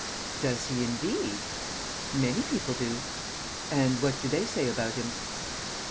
"Does he, indeed!" "Many people do." "And what do they say about him?"